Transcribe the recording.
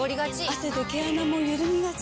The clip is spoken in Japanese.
汗で毛穴もゆるみがち。